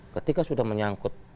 ketika sudah menyangkut